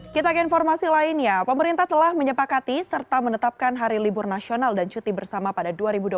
kita ke informasi lainnya pemerintah telah menyepakati serta menetapkan hari libur nasional dan cuti bersama pada dua ribu dua puluh